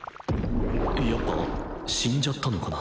やっぱ死んじゃったのかな？